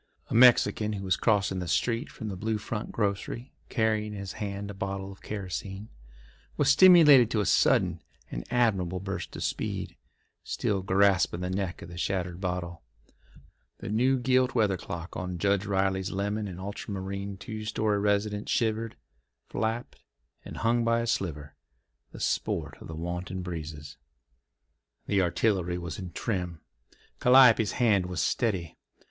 A Mexican who was crossing the street from the Blue Front grocery carrying in his hand a bottle of kerosene, was stimulated to a sudden and admirable burst of speed, still grasping the neck of the shattered bottle. The new gilt weather cock on Judge Riley's lemon and ultramarine two story residence shivered, flapped, and hung by a splinter, the sport of the wanton breezes. The artillery was in trim. Calliope's hand was steady.